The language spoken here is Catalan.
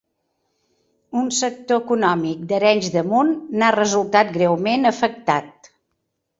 Un sector econòmic d'Arenys de Munt n'ha resultat greument afectat.